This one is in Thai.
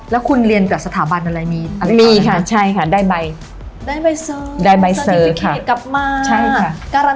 แล้วคุณเรียนจากสถาบันอะไรมีอักคัท